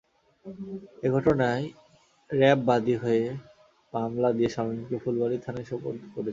এ ঘটনায় র্যাব বাদী হয়ে মামলা দিয়ে শামীমকে ফুলবাড়ী থানায় সোপর্দ করেছে।